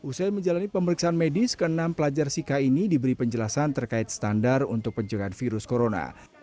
usai menjalani pemeriksaan medis ke enam pelajar sika ini diberi penjelasan terkait standar untuk penjagaan virus corona